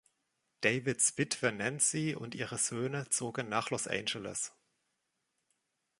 Davids Wittwe Nancy und ihre Söhne zogen nach Los Angeles.